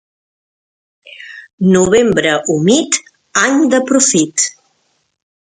Novembre humit, any de profit.